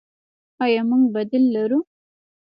آیا موږ بدیل لرو؟